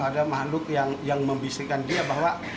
ada makhluk yang membisikkan dia bahwa